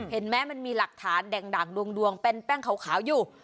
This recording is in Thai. เห็นไหมมันมีหลักฐานดั่งดวงเป็นแป้งขาวอยู่